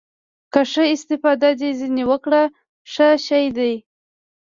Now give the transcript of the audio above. که ښه استفاده دې ځنې وکړه ښه شى ديه.